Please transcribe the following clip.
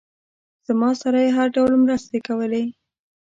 زما سره یې هر ډول مرستې کولې.